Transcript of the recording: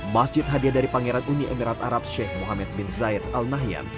masjid hadir dari pangeran uni emirat arab syed mohammed bin zayed al nahyan